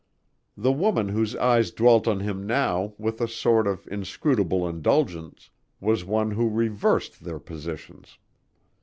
The woman whose eyes dwelt on him now with a sort of inscrutable indulgence was one who reversed their positions.